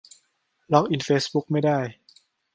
ล็อกอินเฟซบุ๊กไม่ได้